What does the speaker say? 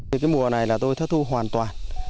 vườn cà chua này là tôi thất thu hoàn toàn